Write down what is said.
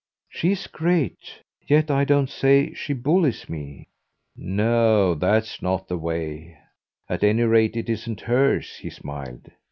"She's great. Yet I don't say she bullies me." "No that's not the way. At any rate it isn't hers," he smiled.